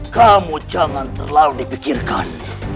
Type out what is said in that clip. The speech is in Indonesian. kamu jangan terlalu dipikirkan